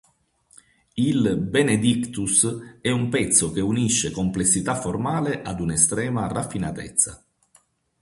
Il "Benedictus" è un pezzo che unisce complessità formale ad una estrema raffinatezza.